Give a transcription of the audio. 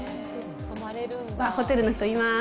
あっ、ホテルの人がいます。